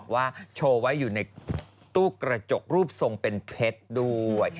ว่าโชว์ไว้อยู่ในตู้กระจกรูปทรงเป็นเพชรด้วย